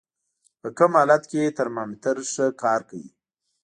په کوم حالت کې ترمامتر ښه کار کوي؟